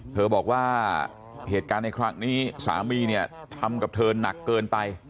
เธอบอกว่าเหตุการณ์ในครั้งนี้สามีเนี่ยทำกับเธอหนักเกินไป